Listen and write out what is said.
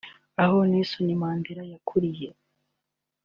aho Nelson Mandela yakuriye